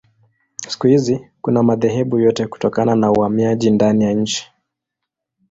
Siku hizi kuna madhehebu yote kutokana na uhamiaji ndani ya nchi.